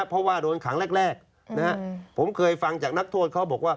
เพราะว่าโดนขังแรกผมเคยฟังจากนักโทษเขาบอกว่า